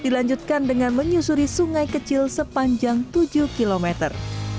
dilanjutkan dengan menyusuri sungai kecil sepanjang tujuh kilometer